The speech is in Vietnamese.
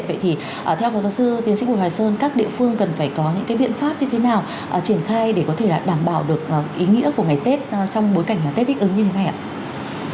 vậy thì theo phó giáo sư tiến sĩ bùi hoài sơn các địa phương cần phải có những cái biện pháp như thế nào triển khai để có thể đảm bảo được ý nghĩa của ngày tết trong bối cảnh tết thích ứng như thế ạ